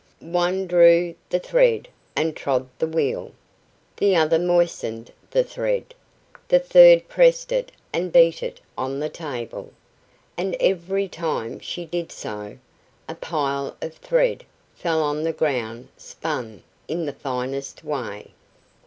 One drew the thread and trod the wheel, the other moistened the thread, the third pressed it and beat it on the table, and every time she did so, a pile of thread fell on the ground spun in the finest way.